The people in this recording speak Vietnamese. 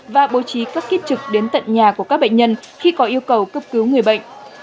và bố trí các kiếp trực đến tận nhà của các bệnh nhân khi có yêu cầu cấp cứu người bệnh